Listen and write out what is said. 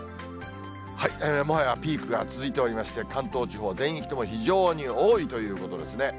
もはやピークが続いておりまして、関東地方全域とも非常に多いということですね。